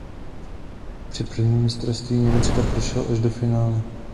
Při prvním mistrovství Německa prošel až do finále.